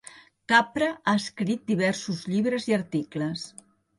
Capra ha escrit diversos llibres i articles.